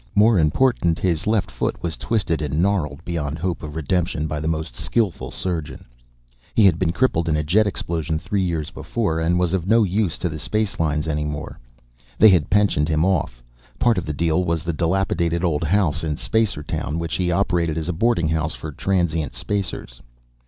More important, his left foot was twisted and gnarled beyond hope of redemption by the most skillful surgeon. He had been crippled in a jet explosion three years before, and was of no use to the Spacelines any more. They had pensioned him off. Part of the deal was the dilapidated old house in Spacertown which he operated as a boarding house for transient Spacers.